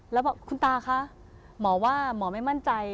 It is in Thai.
แล้วบอกคุณตาคะหมอว่าหมอไม่มั่นใจ